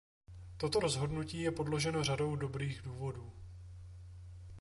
Toto rozhodnutí je podloženo řadou dobrých důvodů.